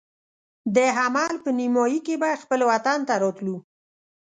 د حمل په نیمایي کې به خپل وطن ته راتلو.